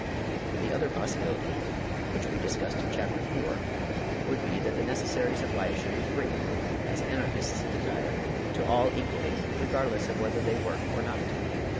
The other possibility would be that the necessaries of life should be free, as Anarchists desire, to all equally, regardless of whether they work or not.